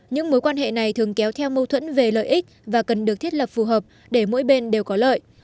những mối quan hệ này thường kéo theo mâu thuẫn về lợi ích và cần được thiết lập phù hợp để mỗi bên đều có lợi